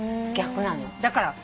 逆なの。